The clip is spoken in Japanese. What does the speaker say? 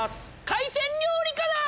海鮮料理から！